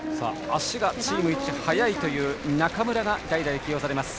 足がチームいち速いという中村が代打に起用されます。